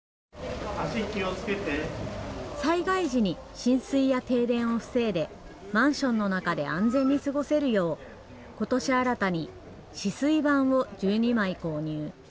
災害時に浸水や停電を防いでマンションの中で安全に過ごせるよう、ことし新たに止水板を１２枚購入。